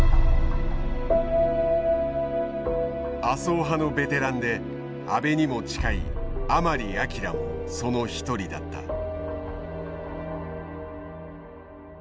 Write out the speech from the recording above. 麻生派のベテランで安倍にも近い甘利明もその一人だった。